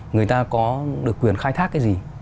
người ta có được quyền khai thác cái gì